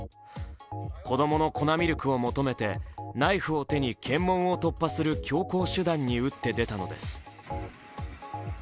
子供の粉ミルクを求めてナイフを手に検問を突破する強硬手段に打って出たのです。